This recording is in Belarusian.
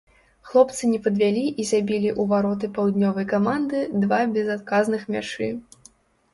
Хлопцы не падвялі і забілі ў вароты паўднёвай каманды два безадказных мячы.